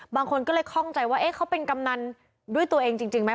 บางคนก็เลยคล่องใจว่าเขาเป็นกำนันด้วยตัวเองจริงไหม